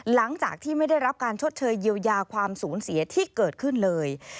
หลังจากที่ไม่ได้รับการชดเชยเยียวยาความสูญเสียที่เกิดขึ้นเลย